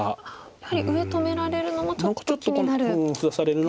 やはり上止められるのはちょっと気になる。